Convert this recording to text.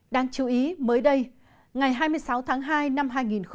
đáng chú ý mới đây ngày hai mươi sáu tháng hai năm hai nghìn một mươi chín